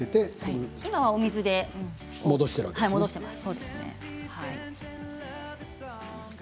これは水で戻しています。